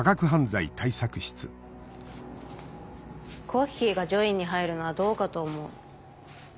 コッヒーが『ジョイン』に入るのはどうかと思う。